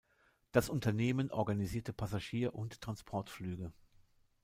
Das Unternehmen organisierte Passagier- und Transportflüge.